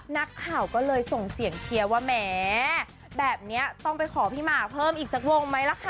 นักข่าวก็เลยส่งเสียงเชียร์ว่าแหมแบบนี้ต้องไปขอพี่หมาเพิ่มอีกสักวงไหมล่ะคะ